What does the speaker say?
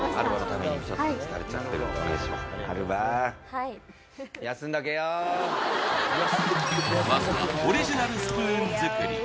はいまずはオリジナルスプーン作り